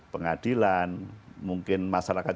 pengadilan mungkin masyarakat